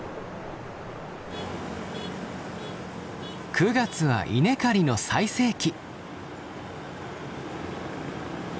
９月は稲刈りの最盛期。